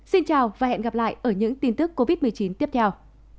xin chào và hẹn gặp lại ở những tin tức covid một mươi chín tiếp theo